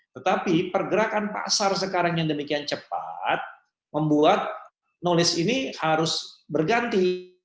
tetapi pergerakan pasar sekarang yang demikian cepat membuat knowledge ini harus berganti